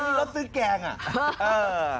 อันนี้รถซื้อแกงอ่ะ